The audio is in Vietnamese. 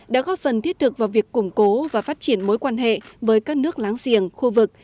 đã góp phần thiết thực vào việc củng cố và phát triển mối quan hệ với các nước láng giềng khu vực